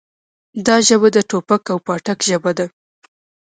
دا ژبه د ټوپک او پاټک ژبه ده.